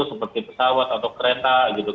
seperti pesawat atau kereta gitu